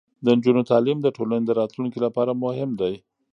د نجونو تعلیم د ټولنې راتلونکي لپاره مهم دی.